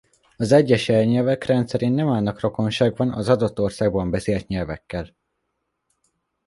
Az egyes jelnyelvek rendszerint nem állnak rokonságban az adott országban beszélt nyelvekkel.